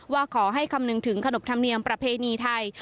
ว่าขอให้คำนึงถึงขนบธรรมเนียมประเพณีไทย